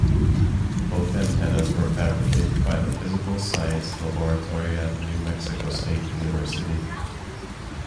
Both antennas were fabricated by the Physical Science Laboratory at New Mexico State University.